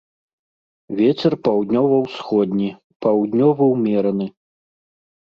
Вецер паўднёва-ўсходні, паўднёвы ўмераны.